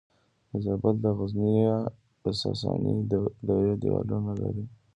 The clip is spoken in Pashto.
د زابل د غزنیې د ساساني دورې دیوالونه لري